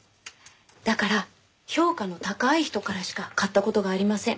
だから評価の高い人からしか買った事がありません。